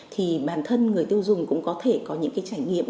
thì bản thân người tiêu dùng cũng có thể có những cái trải nghiệm